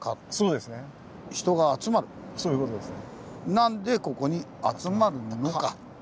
何でここに集まるのか。